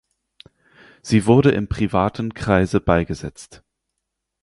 Sie wurde im privaten Kreise beigesetzt.